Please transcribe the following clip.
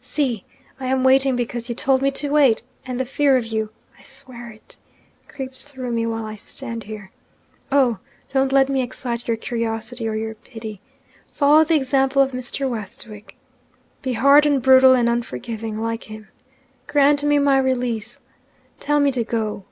See! I am waiting because you told me to wait and the fear of you (I swear it!) creeps through me while I stand here. Oh, don't let me excite your curiosity or your pity! Follow the example of Mr. Westwick. Be hard and brutal and unforgiving, like him. Grant me my release. Tell me to go.'